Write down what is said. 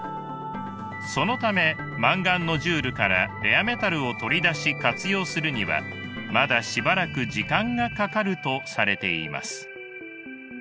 そのためマンガンノジュールからレアメタルを取り出し活用するにはまだしばらく時間がかかるとされています。